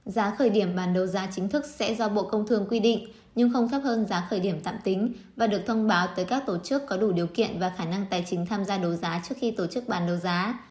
giá khởi điểm bản đấu giá chính thức sẽ do bộ công thương quy định nhưng không thấp hơn giá khởi điểm tạm tính và được thông báo tới các tổ chức có đủ điều kiện và khả năng tài chính tham gia đấu giá trước khi tổ chức bàn đấu giá